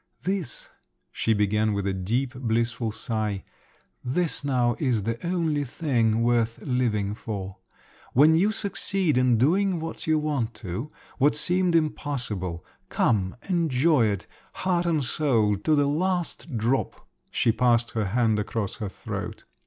"This," she began with a deep blissful sigh, "this now is the only thing worth living for. When you succeed in doing what you want to, what seemed impossible—come, enjoy it, heart and soul, to the last drop!" She passed her hand across her throat.